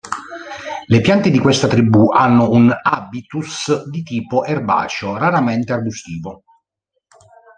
Le piante di questa tribù hanno un habitus di tipo erbaceo, raramente arbustivo.